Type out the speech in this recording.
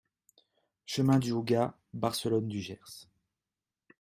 Chemin du Houga, Barcelonne-du-Gers